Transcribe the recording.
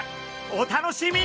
お楽しみに！